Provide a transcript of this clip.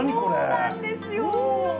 そうなんですよ！